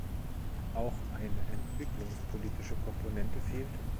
Auch eine entwicklungspolitische Komponente fehlte.